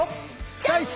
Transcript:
チョイス！